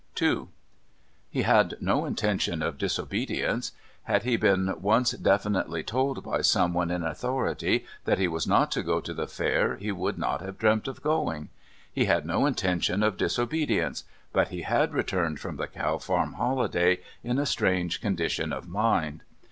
II He had no intention of disobedience. Had he been once definitely told by someone in authority that he was not to go to the fair he would not have dreamt of going. He had no intention of disobedience but he had returned from the Cow Farm holiday in a strange condition of mind.